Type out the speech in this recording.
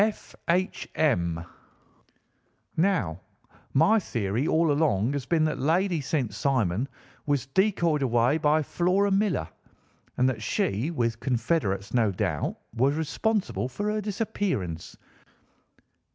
F. H. M.' Now my theory all along has been that Lady St. Simon was decoyed away by Flora Millar, and that she, with confederates, no doubt, was responsible for her disappearance.